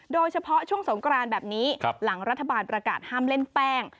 โดยเฉพาะช่วงสงกรานแบบนี้หลังรัฐบาลประกาศห้ามเล่นแป้ง